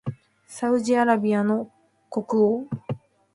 サウジアラビアの国王